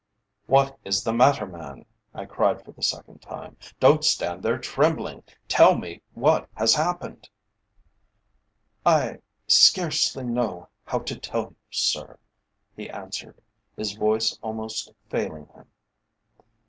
"What is the matter, man?" I cried for the second time. "Don't stand there trembling. Tell me what has happened." "I scarcely know how to tell you, sir," he answered, his voice almost failing him.